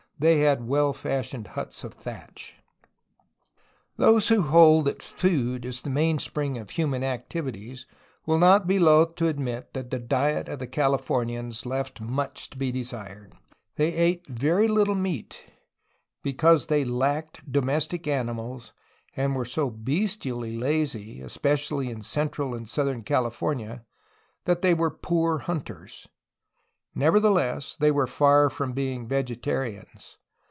They had well fashioned huts of thatch. Those who hold that food is the mainspring of human activities will not be loth to admit that the diet of the Cali fornians left much to be desired. They ate very little meat, because they lacked domestic animals and were so bestially lazy, especially in central and southern California, that they were poor hunters. Nevertheless, they were far from being vegetarians.